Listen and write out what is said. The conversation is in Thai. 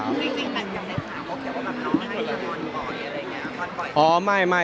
คุณจริงแต่ยังไงค่ะเขาแบบว่ามันเข้าให้มันก่อนต่ำอะไรอย่างนี้